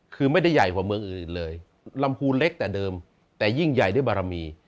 คือไม่ได้ใหญ่กว่าเมืองอื่นเลยลำพูนเล็กแต่เดิมแต่ยิ่งใหญ่ด้วยบารมี